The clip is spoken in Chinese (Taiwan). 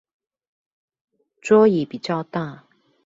桌椅比較大